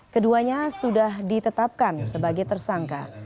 keduanya sudah ditetapkan sebagai tersangka